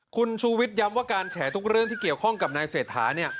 คุณชูวิทย้ำว่าการแฉทุกเรื่องที่เกี่ยวข้องกับนายเศรษฐา